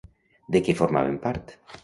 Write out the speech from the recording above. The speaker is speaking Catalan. De què formaven part?